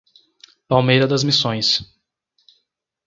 Palmeira das Missões